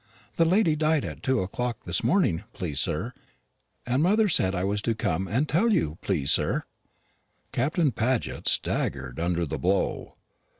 "The lady died at two o'clock this morning, please, sir; and mother said I was to come and tell you, please, sir." Captain Paget staggered under the blow.